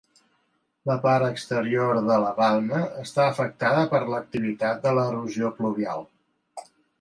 La part exterior de la balma està afectada per l'activitat de l'erosió pluvial.